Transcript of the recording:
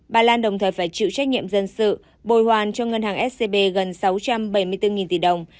bà lan đồng thời phải chịu trách nhiệm dân sự bồi hoàn cho ngân hàng scb gần sáu trăm bảy mươi bốn tỷ đồng